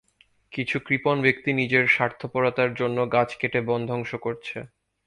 কিছু কৃপণ ব্যক্তি নিজের স্বার্থপরতার জন্য গাছ কেটে বন ধ্বংস করছে।